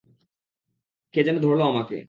কে যেন ধরল আমাকে।